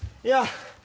いや。